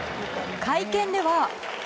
会見では。